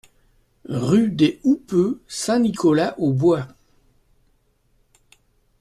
Rue des Houppeux, Saint-Nicolas-aux-Bois